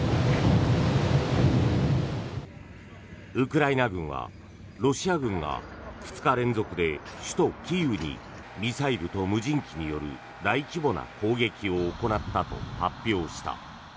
ウクライナ軍は、ロシア軍が２日連続で首都キーウにミサイルと無人機による大規模な攻撃を行ったと発表した。